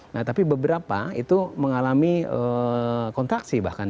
nah tapi beberapa itu mengalami kontraksi bahkan